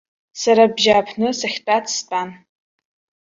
Сара абжьааԥны сахьтәац стәан.